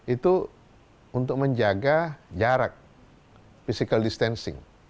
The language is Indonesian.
itu untuk menjaga jarak physical distancing